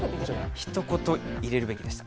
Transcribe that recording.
一言、入れるべきでした。